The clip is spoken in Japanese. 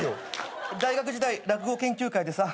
大学時代落語研究会でさ。